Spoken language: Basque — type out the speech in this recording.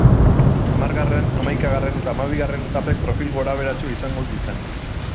Hamargarren, hamaikagarren eta hamabigarren etapek profil gorabeheratsua izango duten.